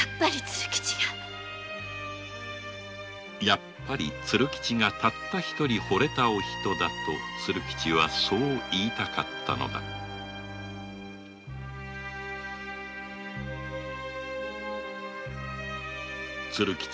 やっぱり鶴吉がたった一人惚れたお人だと鶴吉はそう言いたかったのだ鶴吉